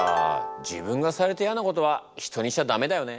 自分がされてイヤなことは人にしちゃダメだよね。